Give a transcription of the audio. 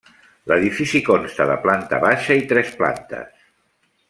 L'edifici consta de planta baixa i tres plantes.